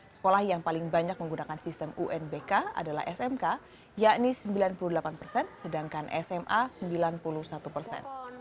sekolah yang paling banyak menggunakan sistem unbk adalah smk yakni sembilan puluh delapan persen sedangkan sma sembilan puluh satu persen